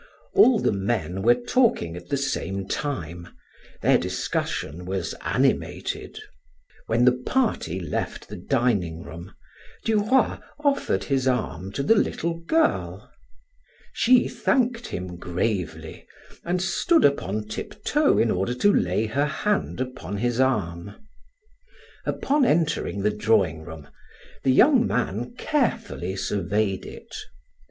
All the men were talking at the same time; their discussion was animated. When the party left the dining room, Duroy offered his arm to the little girl. She thanked him gravely and stood upon tiptoe in order to lay her hand upon his arm. Upon entering the drawing room, the young man carefully surveyed it.